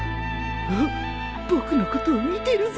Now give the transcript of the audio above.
おっ僕のことを見てるぞ